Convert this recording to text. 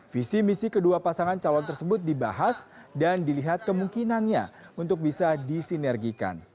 visi misi kedua pasangan calon tersebut dibahas dan dilihat kemungkinannya untuk bisa disinergikan